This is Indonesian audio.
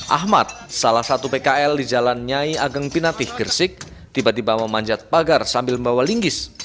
ahmad salah satu pkl di jalan nyai ageng pinatih gresik tiba tiba memanjat pagar sambil membawa linggis